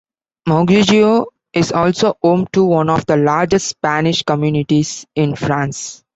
Mauguio is also home to one of the largest Spanish communities in France.